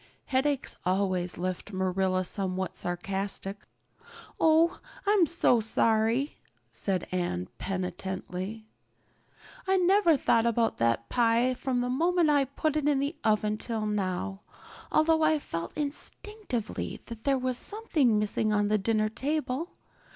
Headaches always left Marilla somewhat sarcastic. "Oh, I'm so sorry," said Anne penitently. "I never thought about that pie from the moment I put it in the oven till now, although I felt instinctively that there was something missing on the dinner table.